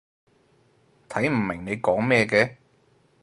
睇唔明你講咩嘅